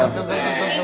neng kan harus makan